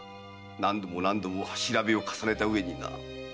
何度も何度も調べを重ねたうえにな。